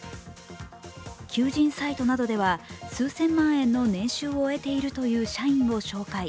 求人サイトなどでは数千万円の年収を得ているという社員を紹介。